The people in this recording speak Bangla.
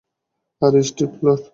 আরে, স্টিফলার।